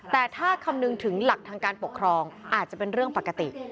แต่ถ้าคำนึงถึงหลักทางการปกครองอาจจะเป็นเรื่องปกติ